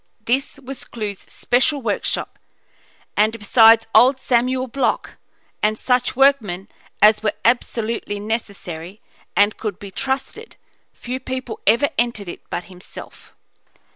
This was Clewe's special workshop; and besides old Samuel Block and such workmen as were absolutely necessary and could be trusted, few people ever entered it but himself.